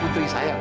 jujur tak pak